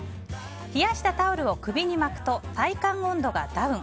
冷やしたタオルを首に巻くと体感温度がダウン。